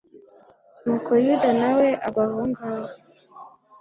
nuko yuda na we agwa aho ngaho